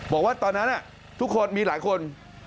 บอกว่าตอนนั้นทุกคนมีหลายคน